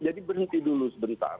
jadi berhenti dulu sebentar